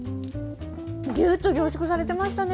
ぎゅっと凝縮されてましたね。